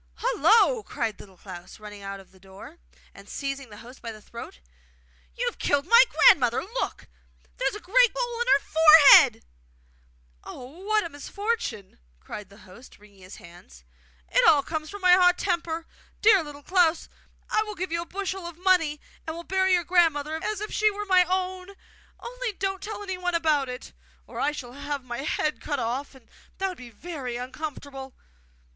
'Hullo!' cried Little Klaus, running out of the door, and seizing the host by the throat. 'You have killed my grandmother! Look! there is a great hole in her forehead!' 'Oh, what a misfortune!' cried the host, wringing his hands. 'It all comes from my hot temper! Dear Little Klaus! I will give you a bushel of money, and will bury your grandmother as if she were my own; only don't tell about it, or I shall have my head cut off, and that would be very uncomfortable.